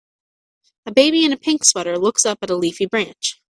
A baby in a pink sweater looks up at a leafy branch.